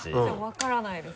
分からないです。